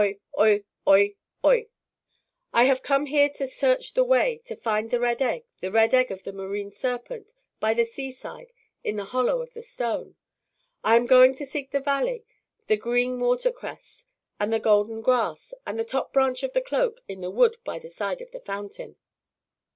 oi! oi! oi! I have come here to search the way, To find the red egg; The red egg of the marine serpent, By the seaside, in the hollow of the stone. I am going to seek in the valley The green water cress, and the golden grass, And the top branch of the oak, In the wood by the side of the fountain.